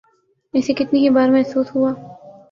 اسے کتنی ہی بار محسوس ہوا۔